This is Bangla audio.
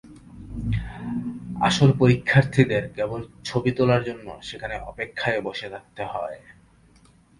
আসল পরীক্ষার্থীদের কেবল ছবি তোলার জন্য সেখানে অপেক্ষায় বসে থাকতে হয়।